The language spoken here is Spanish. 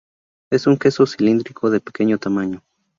Es un queso cilíndrico, de pequeño tamaño.